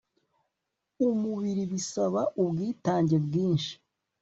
umubiri bisaba ubwitange bwinshi